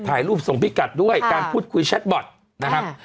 ถ่ายรูปส่งพี่กัดด้วยการพูดคุยแชทบอร์ดนะครับ